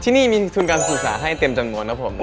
ที่นี่มีทุนการศึกษาให้เต็มจำนวนครับผม